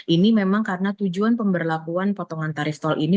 ini memang karena tujuan pemberlakuan potongan tarif tol ini